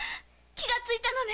気がついたのね！